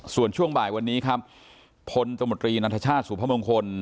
ส่วนช่วงบ่ายวันนี้ครับพลตมตรีนัทชาติสุพมงคล